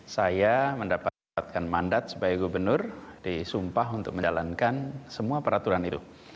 saya mendapatkan mandat sebagai gubernur disumpah untuk menjalankan semua peraturan itu